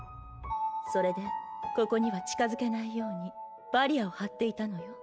それでここには近づけないようにバリアを張っていたのよ。